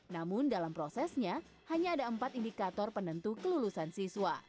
namun dalam prosesnya hanya ada empat indikator penentu kelulusan siswa